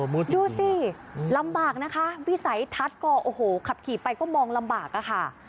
ดูสิลำบากนะคะวิสัยทัศน์ก็โอ้โหขับขี่ไปก็มองลำบากอะค่ะ